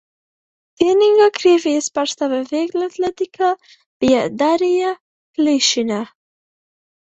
Vienīgā Krievijas pārstāve vieglatlētikā bija Darja Kļišina.